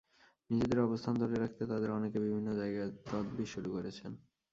নিজেদের অবস্থান ধরে রাখতে তাঁদের অনেকে বিভিন্ন জায়গায় তদবির শুরু করেছেন।